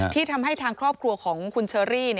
ที่ทำให้ทางครอบครัวของคุณเชอรี่